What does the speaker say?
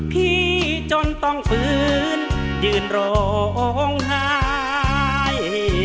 พี่จนต้องฝืนยืนร้องหาย